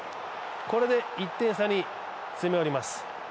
これで１点差に詰め寄ります。